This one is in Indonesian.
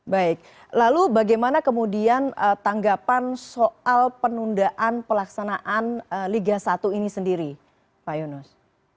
baik lalu bagaimana kemudian tanggapan soal penundaan pelaksanaan liga satu ini sendiri pak yunus